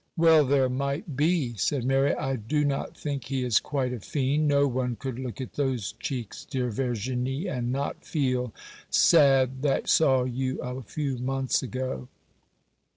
'Well there might be,' said Mary; 'I do not think he is quite a fiend; no one could look at those cheeks, dear Verginie, and not feel sad, that saw you a few months ago.